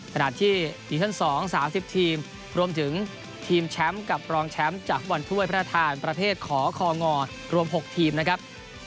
สถานที่ฤทธิ์๒๓๐ทีมรวมถึงทีมแชมป์กับรองแชมป์จากบอลถ้วยพระธานประเทศขอคองอรวม๖ทีมนะครับ